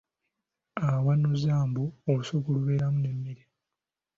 Awanuuza mbu olusuku lubeeremu n'emmere.